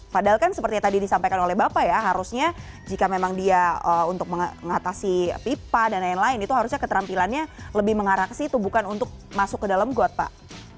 padahal kan seperti yang tadi disampaikan oleh bapak ya harusnya jika memang dia untuk mengatasi pipa dan lain lain itu harusnya keterampilannya lebih mengarah ke situ bukan untuk masuk ke dalam got pak